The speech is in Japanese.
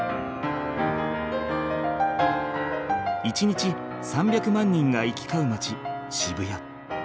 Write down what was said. １日３００万人が行き交う街渋谷。